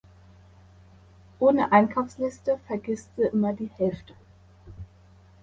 Ohne Einkaufsliste vergißt se immer die Hälfte.